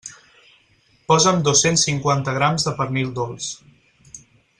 Posa'm dos-cents cinquanta grams de pernil dolç.